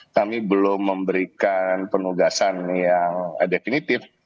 kami belum memberikan penugasan yang definitif